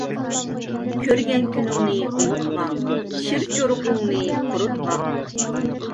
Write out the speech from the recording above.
كۆرگەن كۈنۈڭنى ئۇنۇتما، شىرچۇرۇقۇڭنى قۇرۇتما.